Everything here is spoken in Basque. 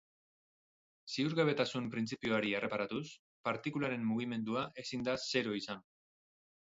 Ziurgabetasun printzipioari erreparatuz, partikularen mugimendua ezin da zero izan.